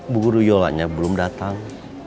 bu guru yolanya belum datang